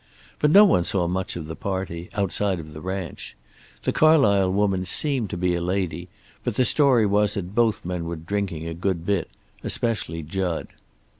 But no one saw much of the party, outside of the ranch. The Carlysle woman seemed to be a lady, but the story was that both men were drinking a good bit, especially Jud.